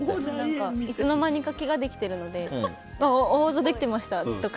いつの間にかけがができてるので青あざできてました！とか。